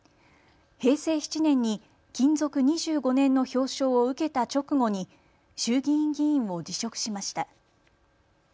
平成７年に勤続２５年の表彰を受けた直後に衆議院議員を辞職しました。